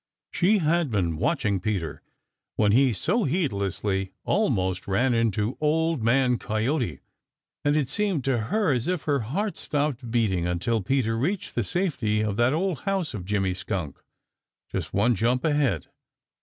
She had been watching Peter when he so heedlessly almost ran into Old Man Coyote, and it had seemed to her as if her heart stopped beating until Peter reached the safety of that old house of Jimmy Skunk just one jump ahead.